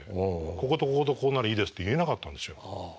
こことこことここならいいですって言えなかったんですよ。